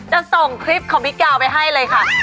จะส่งคลิปของพี่กาวไปให้เลยค่ะ